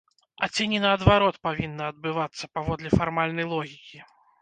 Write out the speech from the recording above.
А ці не наадварот павінна адбывацца, паводле фармальнай логікі?